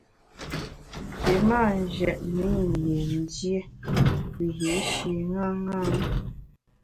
Nji mâ njètne i yin dié wiyi’shi ṅaṅâ.